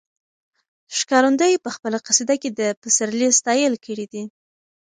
ښکارندوی په خپله قصیده کې د پسرلي ستایل کړي دي.